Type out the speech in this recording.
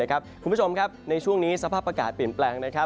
คุณผู้ชมครับในช่วงนี้สภาพอากาศเปลี่ยนแปลง